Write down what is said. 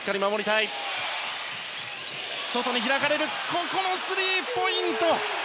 ここもスリーポイント！